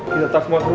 kita tak mau